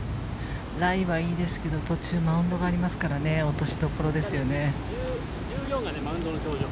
ライはいいですけど途中マウンドがありますから落としどころですよね。